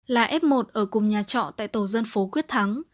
là f một ở cùng nhà trọ tại tổ dân phố quyết thắng